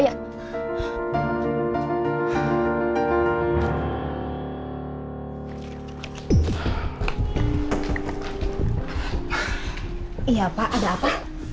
iya pak ada apa